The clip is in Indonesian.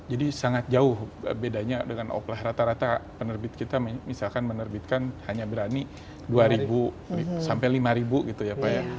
jadi sangat jauh bedanya dengan oplah rata rata penerbit kita misalkan menerbitkan hanya berani dua sampai lima gitu ya pak ya